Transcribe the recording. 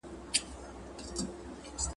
زه پرون سبزیحات پاخلي؟